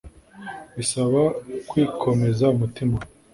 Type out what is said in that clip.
bisaba kwikomeza umutima